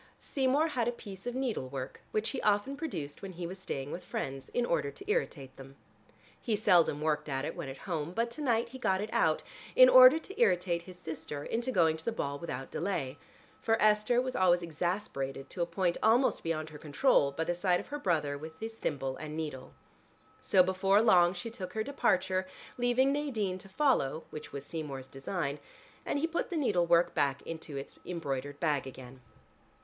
Seymour had a piece of needlework which he often produced when he was staying with friends, in order to irritate them. He seldom worked at it when at home, but to night he got it out, in order to irritate his sister into going to the ball without delay, for Esther was always exasperated to a point almost beyond her control by the sight of her brother with his thimble and needle. So before long she took her departure, leaving Nadine to follow (which was Seymour's design), and he put the needlework back into its embroidered bag again.